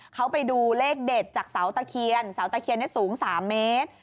เขาไปดูเลขเด็ดจากเสาตะเคียนเสาตะเคียนสูง๓เมตร